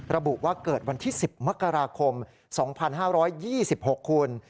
ระบุว่าเกิดวันที่๑๐มกราคม๒๕๒๖คุณ